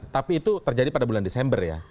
tapi itu terjadi pada bulan desember ya